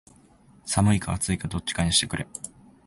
寒いか暑いかどっちかにしてくれ